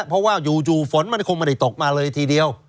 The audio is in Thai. เพราะว่าอยู่ฝนมันคงไม่ได้ตกมาเลยทีเดียว